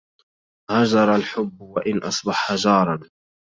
هجر الحب وإن أصبح جارا